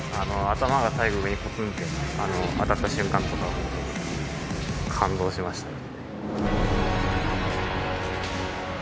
頭が最後上にコツンって当たった瞬間とかは感動しました。